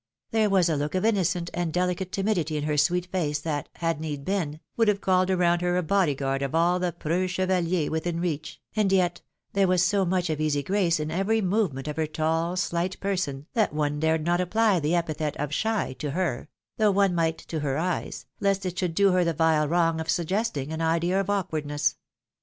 There was a look of innocent and dehcate timidity in her sweet face that, had need been, would have called around her a body guard of all the preux chevaliers within reach, and yet there was so much of easy grace in every movement of her tall sHght person, that one dared not apply the epithet of shy to her (though one might to her eyes), lest it should do her the vUe wrong of suggesting an idea of awkward ness.